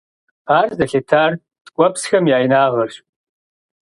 Ар зэлъытар ткӀуэпсхэм я инагъыращ.